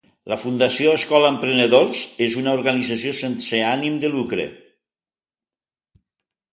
La Fundació Escola Emprenedors és una organització sense ànim de lucre.